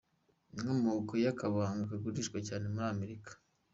Inkomoko y’akabanga kagurishwa cyane muri Amerika.